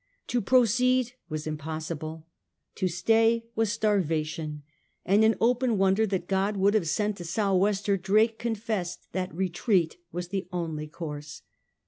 To proceed was impossible, to stay was starvation, and in open wonder that God should have sent a south wester, Drake confessed that retreat was the only course.